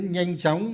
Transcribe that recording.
nhưng nhanh chóng